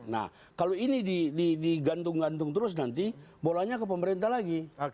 nah kalau ini digantung gantung terus nanti bolanya ke pemerintah lagi